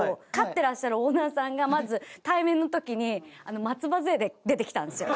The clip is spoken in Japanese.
てらっしゃるオーナーさんがまず対面の時に松葉杖で出てきたんですよ。